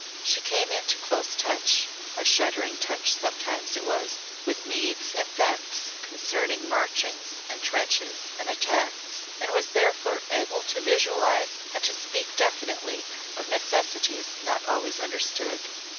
She came into close touch a shuddering touch sometimes it was with needs and facts concerning marchings and trenches and attacks and was therefore able to visualise and to speak definitely of necessities not always understood.